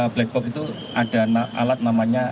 blackbook itu ada alat namanya